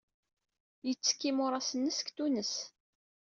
Yettekk imuras-nnes deg Tunes.